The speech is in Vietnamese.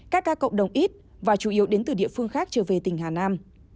các ca cộng đồng ít và chủ yếu đến từ địa phương khác trở về tỉnh hà nam